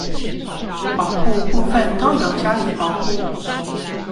保護部分都有加以保護